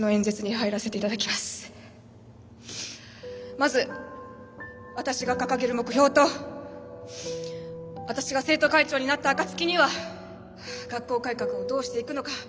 まず私が掲げる目標と私が生徒会長になった暁には学校改革をどうしていくのか。